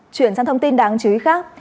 chuyển sang thông tin đáng chú ý khác